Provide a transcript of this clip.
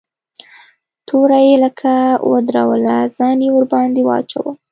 توره يې لکه ودروله ځان يې ورباندې واچاوه.